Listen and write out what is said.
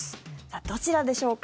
どちらでしょうか。